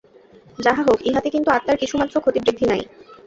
যাহা হউক, ইহাতে কিন্তু আত্মার কিছুমাত্র ক্ষতিবৃদ্ধি নাই।